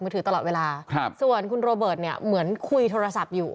ถือตลอดเวลาครับส่วนคุณโรเบิร์ตเนี่ยเหมือนคุยโทรศัพท์อยู่